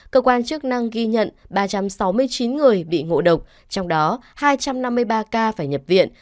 cơ quan chức năng ghi nhận ba trăm sáu mươi chín người bị ngộ độc trong đó hai trăm năm mươi ba ca phải nhập viện